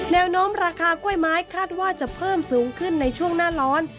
แนวโน้มราคากล้วยไม้คาดว่าจะเพิ่มสูงขึ้นในช่วงหน้าร้อน